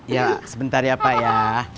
ya sebentar ya pak ya